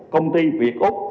công ty việt úc